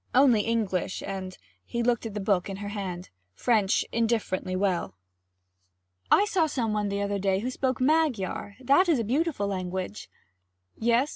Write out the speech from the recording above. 'Only English and' he glanced at the book in her hand 'French indifferently well.' 'I saw some one the other day who spoke Magyar that is a beautiful language.' 'Yes?'